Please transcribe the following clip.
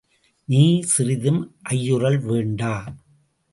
நீ சிறிதும் ஐயுறல் வேண்டா.